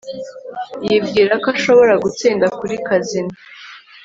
Yibwira ko ashobora gutsinda kuri kazino